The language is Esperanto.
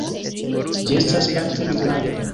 Ĝi estas parte migranta.